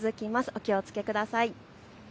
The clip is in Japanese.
お気をつけください。